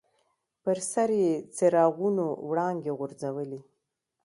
پر سر یې څراغونو وړانګې غورځولې.